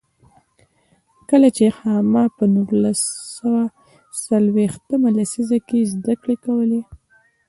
کله چې خاما په نولس سوه څلوېښت مه لسیزه کې زده کړې کولې.